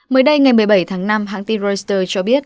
mới đây ngày một mươi bảy tháng năm hãng tin reuters cho biết